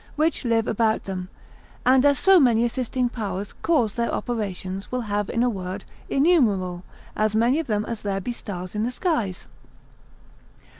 which live about them, and as so many assisting powers cause their operations, will have in a word, innumerable, as many of them as there be stars in the skies.